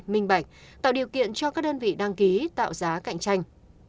minh bạch tạo điều kiện cho các đơn vị đăng ký tạo giá cạnh tranh